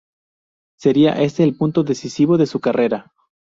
Sería este el punto decisivo de su carrera.